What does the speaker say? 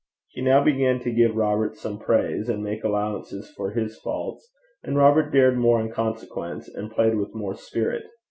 He now began to give Robert some praise, and make allowances for his faults, and Robert dared more in consequence, and played with more spirit.